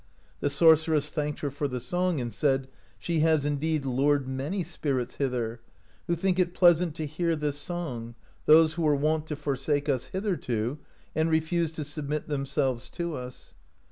The sorceress thanked her for the song, and said : "She has indeed lured many spirits hither, who think it pleasant to hear this song, those who were wont to forsake us hitherto and refuse to submit themselves to us.